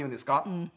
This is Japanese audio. うん。